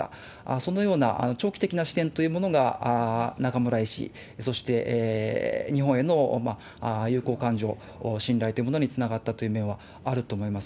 そのような長期的な視点というものが、中村医師、そして日本への友好感情、信頼というものにつながったという面はあると思います。